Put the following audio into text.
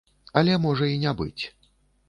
Але можа і не быць.